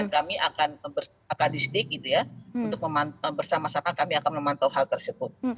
dan kami akan bersama sama akan memantau hal tersebut